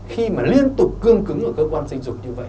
khi mà liên tục cương cứng ở cơ quan sinh dục như vậy